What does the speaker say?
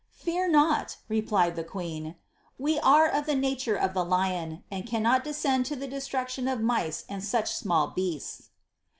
^^Fear not," replied the queen; ^we are of the nature of the lion, and cannot descend to the destruction of mice and such small beasts!"